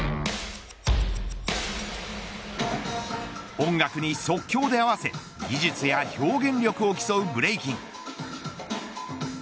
音楽に即興で合わせ技術や表現力を競うブレイキン。